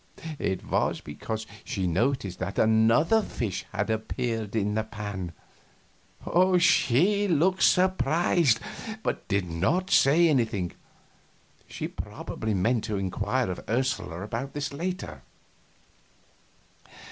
It was because she noticed that another fish had appeared in the pan. She looked surprised, but did not say anything. She probably meant to inquire of Ursula about this later.